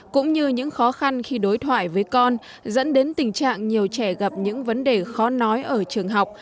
cũng như những khó khăn khi đối thoại với con dẫn đến tình trạng nhiều trẻ gặp những vấn đề khó nói ở trường học